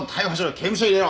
刑務所入れろ！」